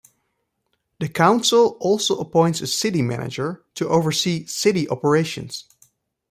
The council also appoints a city manager to oversee city operations.